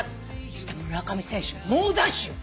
そしたら村上選手猛ダッシュ。